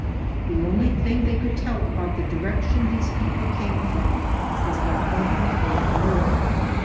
The only thing they could tell about the direction these people came from was by pointing toward the north.